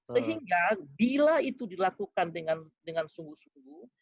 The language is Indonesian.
sehingga bila itu dilakukan dengan sungguh sungguh